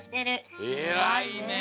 えらいね！